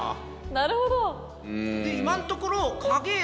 なるほど。